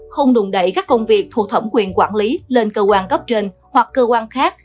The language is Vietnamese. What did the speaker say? không đùng đẩy các công việc thuộc thẩm quyền quản lý lên cơ quan cấp trên hoặc cơ quan khác